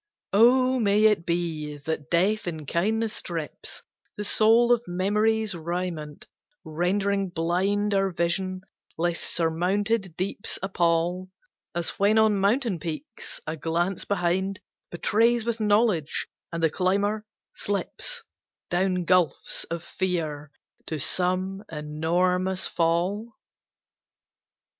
Oh! may it be that Death in kindness strips The soul of memory's raiment, rendering blind Our vision, lest surmounted deeps appal, As when on mountain peaks a glance behind Betrays with knowledge, and the climber slips Down gulfs of fear to some enormous fall?